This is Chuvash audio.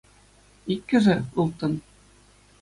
Иккӗшӗ – ылтӑн.